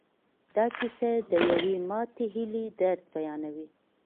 دا کیسه د یوې ماتې هیلې درد بیانوي.